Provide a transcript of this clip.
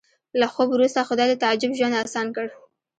له خوب وروسته خدای د تعجب ژوند اسان کړ